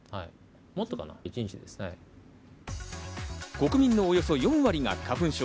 国民のおよそ４割が花粉症。